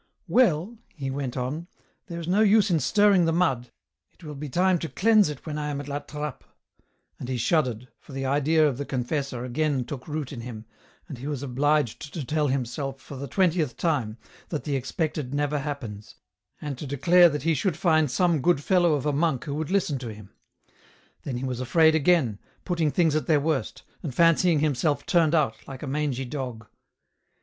" Well," he went on, " there is no use in stirring the mud, it will be time to cleanse it when I am at La Trappe," and he shuddered, for the idea of the confessor again took root in him, and he was obliged to tell himself for the twentieth time that the expected never happens, and to declare that he should find some good fellow of a monk who would listen to him ; then he was afraid again, putting things at their worst, and fancying himself turned out, like a mangy dog.